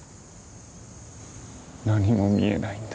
何も見えないんだ。